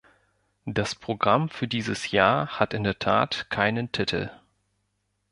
Das Programm für dieses Jahr hat in der Tat keinen Titel.